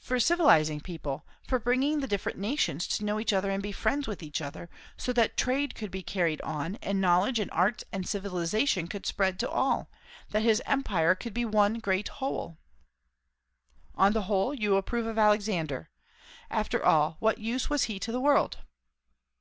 "For civilizing people; for bringing the different nations to know each other and be friends with each other; so that trade could be carried on, and knowledge and arts and civilization could spread to all; that his empire could be one great whole." "On the whole you approve of Alexander. After all, what use was he to the world?"